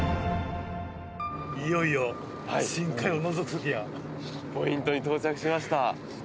いよいよ深海をのぞくときがポイントに到着しました